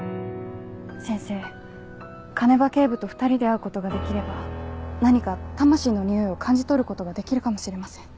先生鐘場警部と２人で会うことができれば何か魂の匂いを感じ取ることができるかもしれません。